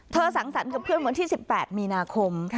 สังสรรค์กับเพื่อนวันที่๑๘มีนาคม